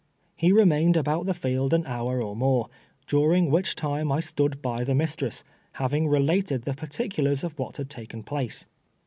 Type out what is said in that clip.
lie remained about the field an lioiir or more, dnring which time I stood by the mistress, liaving related the particulars of "what had taken place.